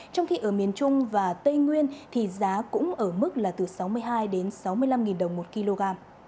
trong khi ở miền trung và tây nguyên thì giá cũng ở mức là từ sáu mươi hai đến sáu mươi năm đồng một kg